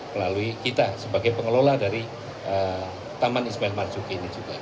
melalui kita sebagai pengelola dari taman ismail marzuki